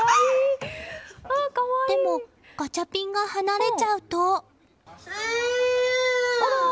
でもガチャピンが離れちゃうと。